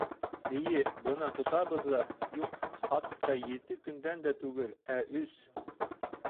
Эйе, бына тотабыҙ ҙа... юҡ, хатта ете көндән дә түгел, ә өс!